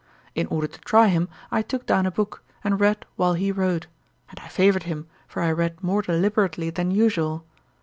In order to try him, I took down a book, and read while he wrote; and I favoured him, for I read more deliberately than usual.